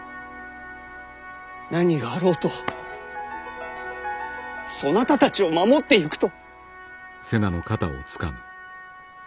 何があろうとそなたたちを守ってゆくと！